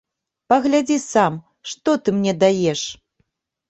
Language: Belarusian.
Паглядзі сам, што ты мне даеш!